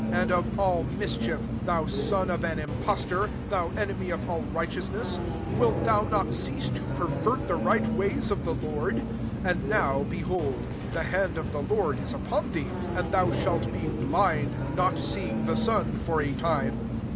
and of all mischief, tkeu son of an impostor, thou enemy of all rigfateoosness, ' wilt thou not cease to pervert the right ways of the Lord ? II And now, be liold, the hand of the Lord «* upon thee ; and thou shidt be blind, not seeing the sun, for a time."